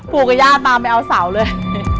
ปู่กับย่าตามไปเอาสาวเลย